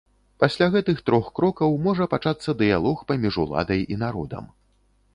Пасля гэтых трох крокаў можа пачацца дыялог паміж уладай і народам.